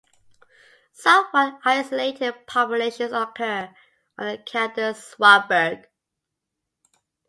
Somewhat isolated populations occur on the Caledon Swartberg.